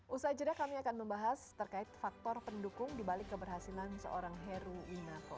usaha jeda kami akan membahas terkait faktor pendukung dibalik keberhasilan seorang heru innako